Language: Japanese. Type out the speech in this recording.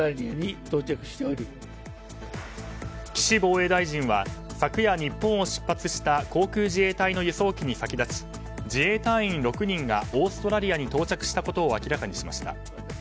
岸防衛大臣は昨夜、日本を出発した航空自衛隊の輸送機に先立ち自衛隊員６人がオーストラリアに到着したことを明らかにしました。